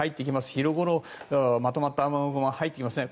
昼頃にまとまった雨雲が入ってきますね。